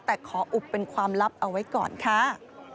แต่ขออุบเป็นความลับเอาไว้ก่อนค่ะ